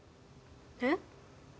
えっ？